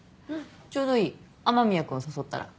ちょうどいい雨宮君を誘ったら？